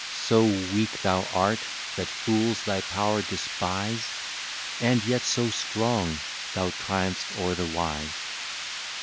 So weak thou art, that fools thy power despise; And yet so strong, thou triumph'st o'er the wise.